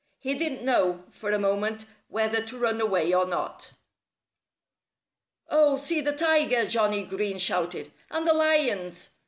He didn't know, for a moment, whether to run away or not. "Oh, see the tiger!" Johnnie Green shouted. "And the lions!